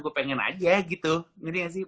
gue pengen aja gitu ngerti gak sih